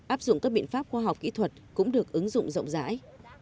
áp dụng các biện pháp khoa học kỹ thuật cũng được ứng dụng rộng rãi